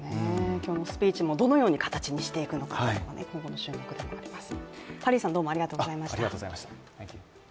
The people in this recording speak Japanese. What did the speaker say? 今日のスピーチもどのように形にしていくのか今後の注目です。